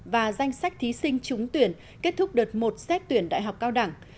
và danh sách thí sinh trúng tuyển kết thúc đợt một xét tuyển đại học cao đẳng